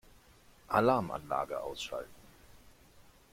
Alarmanlage ausschalten.